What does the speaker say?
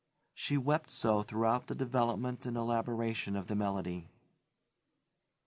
She wept so throughout the development and elaboration of the melody.